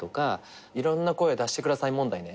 いろんな声出してください問題ね。